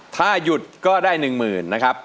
ถ้ายุดก็ได้หนึ่งหมื่นนะครับ